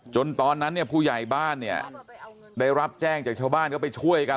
ตอนนั้นเนี่ยผู้ใหญ่บ้านเนี่ยได้รับแจ้งจากชาวบ้านก็ไปช่วยกัน